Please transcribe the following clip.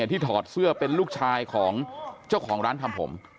ถอดเสื้อเป็นลูกชายของเจ้าของร้านทำผม